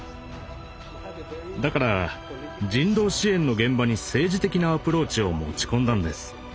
だから人道支援の現場に政治的なアプローチを持ち込んだんです。